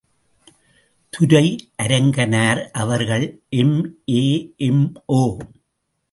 துரை அரங்கனார் அவர்கள் எம்.ஏ., எம்.ஓ.